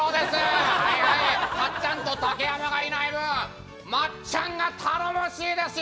かっちゃんと竹山がいない分まっちゃんが頼もしいですよ！